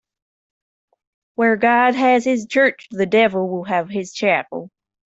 Where God has his church, the devil will have his chapel.